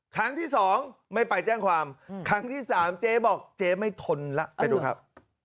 ครั้งที่สองไม่ไปแจ้งความครั้งที่สามเจ๊บอกเจ๊ไม่ทนแล้วไปดูครับ